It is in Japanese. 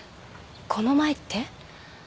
この前って？